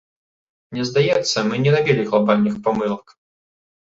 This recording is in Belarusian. Мне здаецца, мы не рабілі глабальных памылак.